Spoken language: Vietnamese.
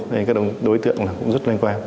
nên các đối tượng cũng rất loanh quanh